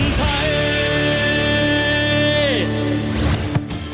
เพื่อคนไทย